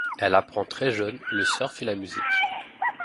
Elle apprend très jeune le surf et la musique.